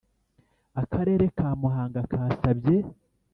Akarere ka Muhanga kasabye